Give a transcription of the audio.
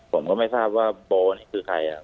ผมก็ไม่ทราบโบ่ว่านี้คือใคร